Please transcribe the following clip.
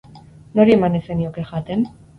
Nori eman nahi zenioke jaten?